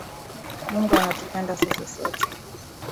Mungu anatupenda sisi sote